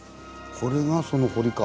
これがその堀か。